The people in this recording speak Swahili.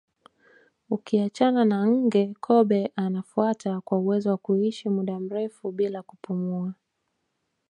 Ukiachana na nge kobe anafuata kwa uwezo wa kuishi muda mrefu bila kupumua